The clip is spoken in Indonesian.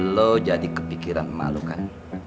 lo jadi kepikiran emak lo kan